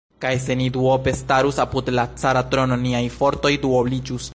Kaj se ni duope starus apud la cara trono, niaj fortoj duobliĝus!